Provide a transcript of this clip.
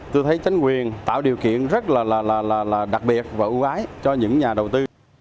tôi thấy chính quyền tạo điều kiện rất là đặc biệt và ưu ái cho những nhà đầu tư